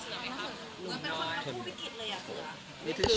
นั่นเหนื่อยมั้ยครับดูแลทุกอย่าง